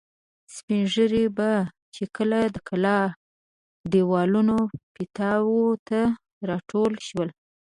سپین ږیري به چې کله د کلا دېوالونو پیتاوو ته را ټول شول.